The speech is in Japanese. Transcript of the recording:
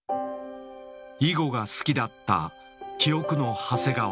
囲碁が好きだった「記憶の長谷川」。